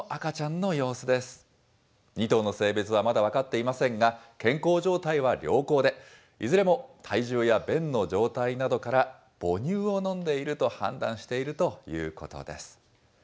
２頭の性別はまだ分かっていませんが、健康状態は良好で、いずれも体重や便の状態などから、母乳を飲んでいると判断しているということです。